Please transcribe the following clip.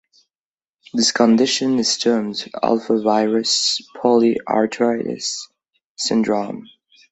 This condition is termed alphavirus polyarthritis syndrome.